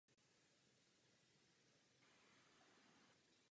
Již jako teenager se vydal pěšky z rodné Varšavy do Anglie.